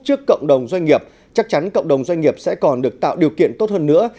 trước cộng đồng doanh nghiệp chắc chắn cộng đồng doanh nghiệp sẽ còn được tạo điều kiện tốt hơn nữa